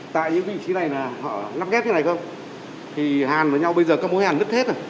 tại những vị trí này là họ lắp ghép như này không thì hàn với nhau bây giờ các mối hàn nứt hết rồi